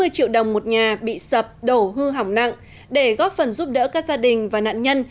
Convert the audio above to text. năm mươi triệu đồng một nhà bị sập đổ hư hỏng nặng để góp phần giúp đỡ các gia đình và nạn nhân